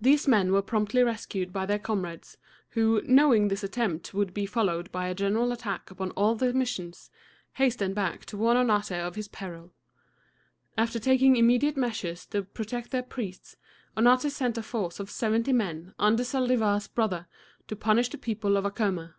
These men were promptly rescued by their comrades, who, knowing this attempt would be followed by a general attack upon all the missions, hastened back to warn Oñate of his peril. After taking immediate measures to protect the priests, Oñate sent a force of seventy men, under Zaldivar's brother, to punish the people of Acoma.